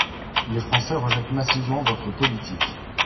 Les Français rejettent massivement votre politique.